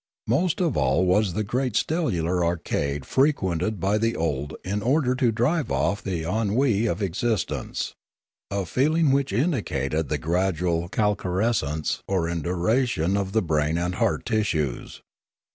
Most of all was the great stellar arcade frequented by the old in order to drive off the ennui of existence; a feeling which indicated the gradual calcarescence or indura tion of the brain and heart tissues.